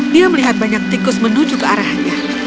dia melihat banyak tikus menuju ke arahnya